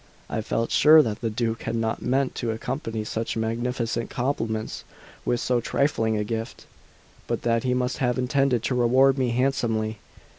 I felt sure that the Duke had not meant to accompany such magnificent compliments with so trifling a gift, but that he must have intended to reward me handsomely.